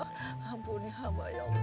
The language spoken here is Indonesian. segala kesalahan kesalahan hamba mu ya allah